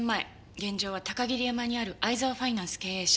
現場は鷹霧山にある逢沢ファイナンス経営者